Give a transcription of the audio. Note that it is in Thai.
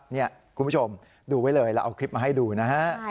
นี่คุณผู้ชมดูไว้เลยเราเอาคลิปมาให้ดูนะฮะ